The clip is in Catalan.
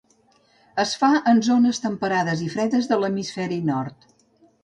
Es fa en zones temperades i fredes de l'hemisferi nord.